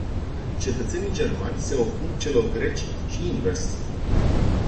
Cetățenii germani se opun celor greci și invers.